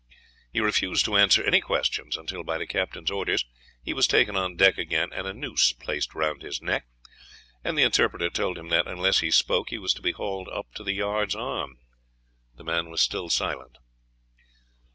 He refused to answer any questions until, by the captain's orders, he was taken on deck again and a noose placed round his neck, and the interpreter told him that, unless he spoke, he was to be hauled up to the yard's arm. The man was still silent.